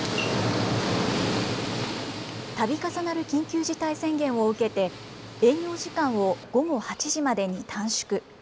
たび重なる緊急事態宣言を受けて営業時間を午後８時までに短縮。